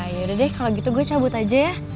yaudah deh kalau gitu gue cabut aja ya